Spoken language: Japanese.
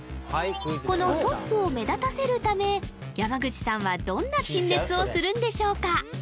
このトップを目立たせるため山口さんはどんな陳列をするんでしょうか？